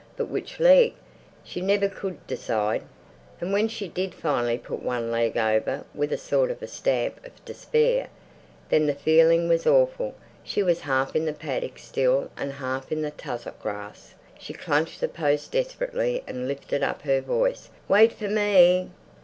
But which leg? She never could decide. And when she did finally put one leg over with a sort of stamp of despair—then the feeling was awful. She was half in the paddock still and half in the tussock grass. She clutched the post desperately and lifted up her voice. "Wait for me!"